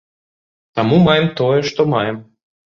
Таму маем тое, што маем.